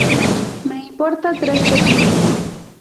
Me importa tres pepinos